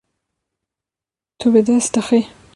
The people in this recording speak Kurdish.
Tu bi dest dixî.